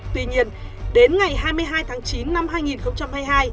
tuy nhiên đến ngày hai mươi hai tháng chín năm hai nghìn hai mươi hai